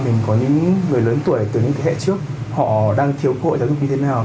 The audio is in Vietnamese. mình có những người lớn tuổi từ những thế hệ trước họ đang thiếu cơ hội giáo dục như thế nào